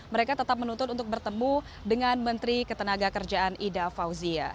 mereka tetap menuntut untuk bertemu dengan menteri ketenaga kerjaan ida fauzia